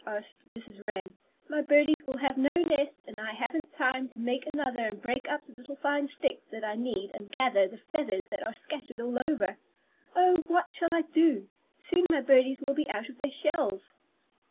asked Mrs. Wren. "My birdies will have no nest, and I haven't time to make another and break up the little fine sticks that I need and gather the feathers that are scattered all over. Oh, what shall I do? Soon my birdies will be out of the shells."